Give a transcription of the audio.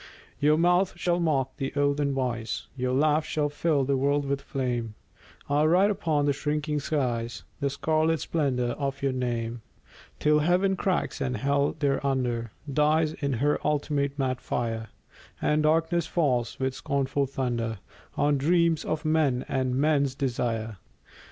Your mouth shall mock the old and wise, Your laugh shall fill the world with flame, I'll write upon the shrinking skies The scarlet splendour of your name, Till Heaven cracks, and Hell thereunder Dies in her ultimate mad fire, And darkness falls, with scornful thunder, On dreams of men and men's desire.